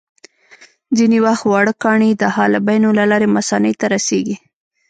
ځینې وخت واړه کاڼي د حالبینو له لارې مثانې ته رسېږي.